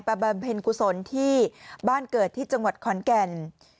บำเพ็ญกุศลที่บ้านเกิดที่จังหวัดขอนแก่น